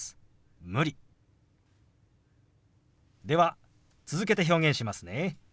では続けて表現しますね。